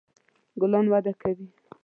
ګلان وده کوي